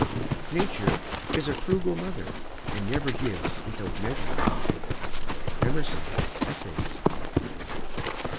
Nature is a frugal mother, and never gives without measure. Emerson, "Essays."